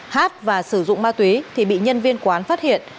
hát và sử dụng ma túy thì bị nhân viên quán phát hiện